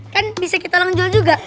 kan bisa kita lanjur juga